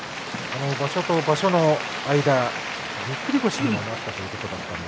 場所と場所の間ぎっくり腰にもなったということです。